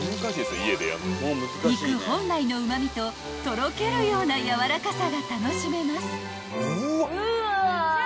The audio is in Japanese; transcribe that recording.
［肉本来のうま味ととろけるようなやわらかさが楽しめます］